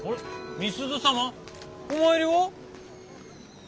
美鈴様お参りは？